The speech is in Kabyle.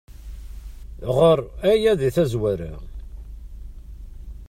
Ɣer aya di tazwara.